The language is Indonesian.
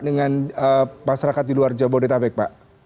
dengan masyarakat di luar jadwal ritapak pak